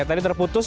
ya tadi terputus